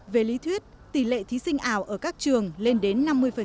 về lý thuyết tỷ lệ thí sinh ảo ở các trường lên đến năm mươi